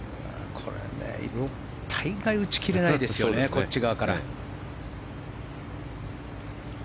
大概打ち切れないですよねこっち側から。